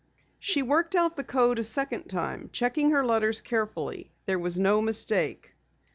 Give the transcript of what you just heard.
She worked out the code a second time, checking her letters carefully. There was no mistake.